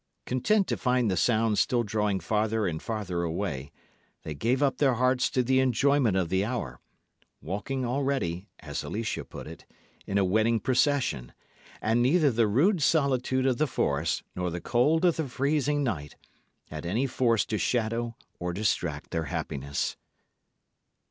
Content to find the sounds still drawing farther and farther away, they gave up their hearts to the enjoyment of the hour, walking already, as Alicia put it, in a wedding procession; and neither the rude solitude of the forest, nor the cold of the freezing night, had any force to shadow or distract their happiness.